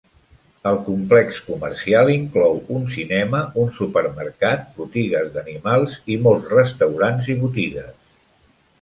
El complex comercial inclou un cinema, un supermercat, botigues d'animals i molts restaurants i botigues.